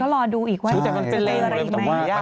ก็รอดูอีกว่ามันจะเป็นอะไรไหม